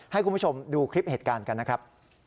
ให้คุณผู้ชมดูคลิปเหตุการณ์กันนะครับ